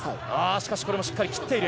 しかしこれもしっかり切っている。